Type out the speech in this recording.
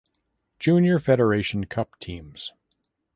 Junior Federation Cup Teams.